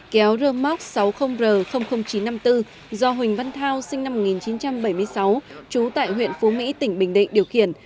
kéo rơ móc sáu mươi r chín trăm năm mươi bốn do huỳnh văn thao sinh năm một nghìn chín trăm bảy mươi sáu trú tại huyện phú mỹ tỉnh bình định điều khiển